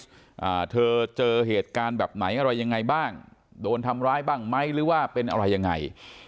อ่าเธอเจอเหตุการณ์แบบไหนอะไรยังไงบ้างโดนทำร้ายบ้างไหมหรือว่าเป็นอะไรยังไง